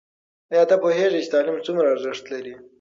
ایا ته پوهېږې چې تعلیم څومره ارزښت لري؟